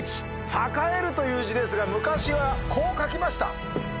栄えるという字ですが昔はこう書きました。